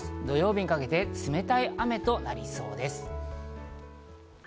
土曜日にかけて冷たい雨となりそうです。